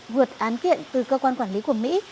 vượt án kiện từ cơ quan quản lý của mỹ